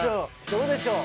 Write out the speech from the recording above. どうでしょう？